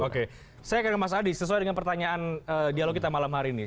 oke saya akan ke mas adi sesuai dengan pertanyaan dialog kita malam hari ini